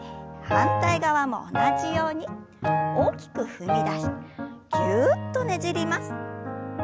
反対側も同じように大きく踏み出してぎゅっとねじります。